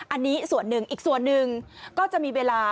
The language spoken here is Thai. อันนี้ส่วนหนึ่งอีกส่วนหนึ่งก็จะมีเวลา